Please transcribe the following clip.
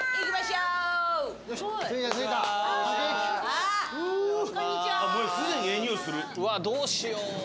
うわっどうしよう。